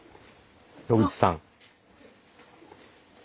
野口さん。